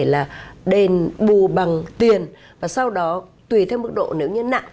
có thể là đền bù bằng tiền và sau đó tùy theo mức độ nếu như nặng